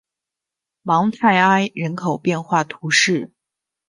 芒泰埃人口变化图示